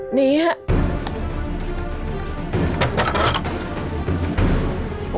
หนี้ฮะ